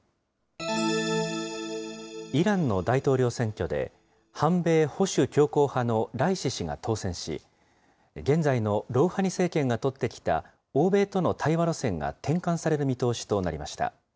イランの大統領選挙で、反米・保守強硬派のライシ師が当選し、現在のロウハニ政権が取ってきた欧米との対話路線が転換される見通しとなりました。